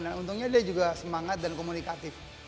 dan untungnya dia juga semangat dan komunikatif